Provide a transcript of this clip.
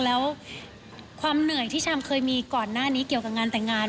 แล้วความเหนื่อยที่ชามเคยมีก่อนหน้านี้เกี่ยวกับงานแต่งงาน